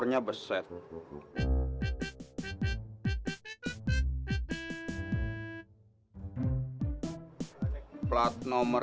lu ngapain sampai begitu ngelihatin motor